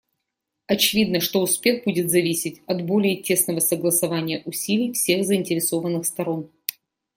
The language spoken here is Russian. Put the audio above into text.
Очевидно, что успех будет зависеть от более тесного согласования усилий всех заинтересованных сторон.